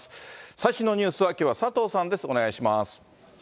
最新のニュースは、きょうは佐藤さんです。